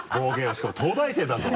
しかも東大生だぞ。